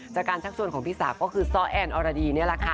ชักชวนของพี่สาวก็คือซ้อแอนอรดีนี่แหละค่ะ